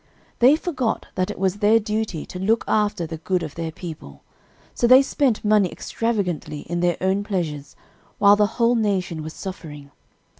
"They forgot that it was their duty to look after the good of their people; so they spent money extravagantly in their own pleasures, while the whole nation was suffering.